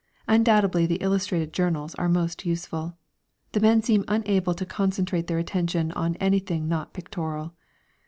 Undoubtedly the illustrated journals are most useful. The men seem unable to concentrate their attention on anything not pictorial.